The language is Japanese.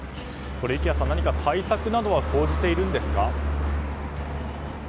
何か対策などは講じているんですか。